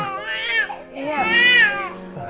udah es kehormatan